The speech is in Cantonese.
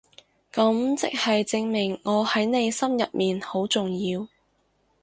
噉即係證明我喺你心入面好重要